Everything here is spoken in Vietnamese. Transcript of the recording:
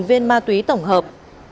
năm viên ma túy tổng hợp